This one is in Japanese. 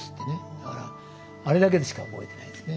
だからあれだけしか覚えてないですね。